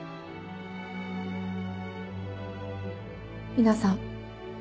皆さん。